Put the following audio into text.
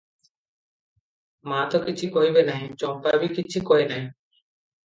ମା ତ କିଛି କହିବେ ନାହିଁ, ଚମ୍ପା ବି କିଛି କହେ ନାହିଁ ।